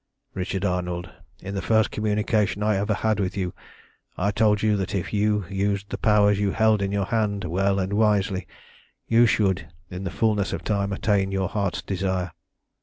"Richard Arnold, in the first communication I ever had with you, I told you that if you used the powers you held in your hand well and wisely, you should, in the fulness of time, attain to your heart's desire.